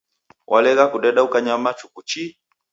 Walegha kudeda ukanyama chuku chii